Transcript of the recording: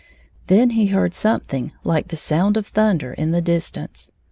Then he heard something like the sound of thunder in the distance.